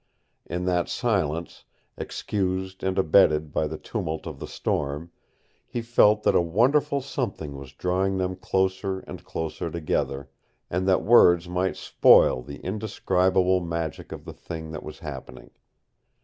In that silence, excused and abetted by the tumult of the storm, he felt that a wonderful something was drawing them closer and closer together, and that words might spoil the indescribable magic of the thing that was happening.